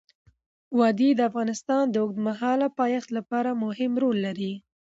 وادي د افغانستان د اوږدمهاله پایښت لپاره مهم رول لري.